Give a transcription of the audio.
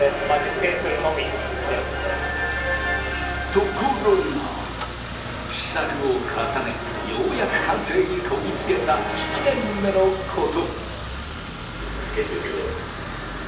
ところが試作を重ねようやく完成にこぎ着けた７年目のこと。